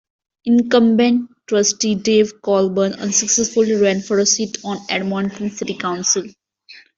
Incumbent Trustee Dave Colburn unsuccessfully ran for a seat on Edmonton's City Council.